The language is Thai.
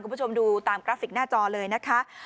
คุณผู้ชมดูตามกราฟิกหน้าจอเลยนะคะ